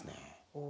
お。